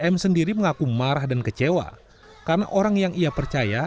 m sendiri mengaku marah dan kecewa karena orang yang ia percaya